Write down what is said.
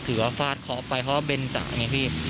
ถือว่าฟาดเค้าออกไปเพราะว่าเบนจ่ะไงพี่